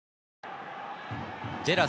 ＪＥＲＡ